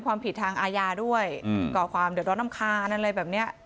ความผิดทางอาญาด้วยก่อความเดี๋ยวร้อนน้ำค้านั่นเลยแบบนี้